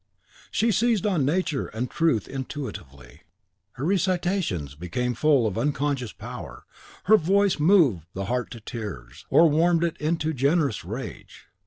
She seized on nature and truth intuitively. Her recitations became full of unconscious power; her voice moved the heart to tears, or warmed it into generous rage.